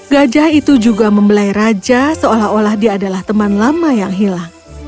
gajah itu juga membelai raja seolah olah dia adalah teman lama yang hilang